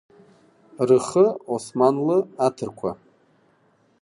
Рыхы Османлы аҭырқәа…